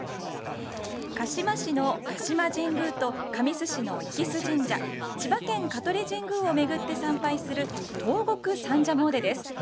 鹿嶋市の鹿島神宮と神栖市の息栖神社千葉県・香取神宮をめぐって参拝する東国三社詣です。